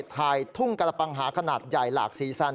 ถ่ายทุ่งกระปังหาขนาดใหญ่หลากสีสัน